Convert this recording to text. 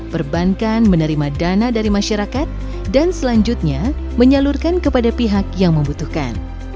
perbankan menerima dana dari masyarakat dan selanjutnya menyalurkan kepada pihak yang membutuhkan